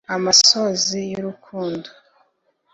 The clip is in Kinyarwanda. ‘Amosozi y’Urukundo’